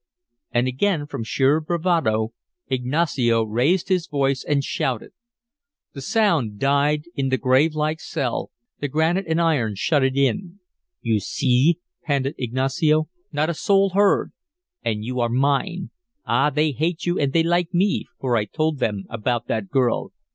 And again from sheer bravado Ignacio raised his voice and shouted. The sound died in the grave like cell the granite and the iron shut it in. "You see!" panted Ignacio. "Not a soul heard! And you are mine. Ah, they hate you and they like me, for I told them about that girl.